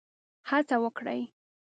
هڅه وکړي.